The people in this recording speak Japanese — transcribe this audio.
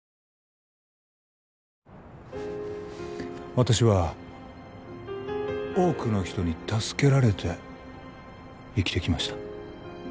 私は多くの人に助けられて生きてきました